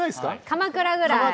鎌倉ぐらい。